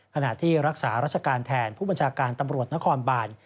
ขณะที่รักษาราชการแทนผู้บัญชาการตำรวจนครบาน